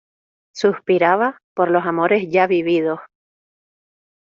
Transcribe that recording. suspiraba por los amores ya vividos